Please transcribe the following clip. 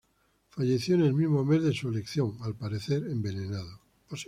Falleció en el mismo mes de su elección, al parecer envenenado.